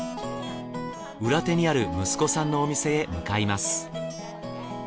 裏手にある息子さんのお店へ向かいます。